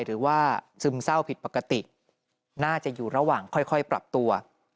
ซึมเศร้าผิดปกติน่าจะอยู่ระหว่างค่อยปรับตัว